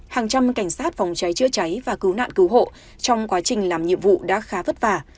hàng trăm cảnh sát phòng cháy chữa cháy và cứu nạn cứu hộ trong quá trình làm nhiệm vụ đã khá vất vả